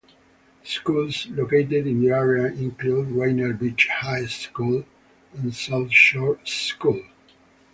Schools located in the area include Rainier Beach High School and South Shore School.